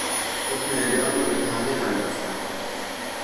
حکم اعدام را به تعویق انداختن